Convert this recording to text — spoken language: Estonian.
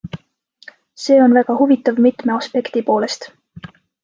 See on väga huvitav mitme aspekti poolest.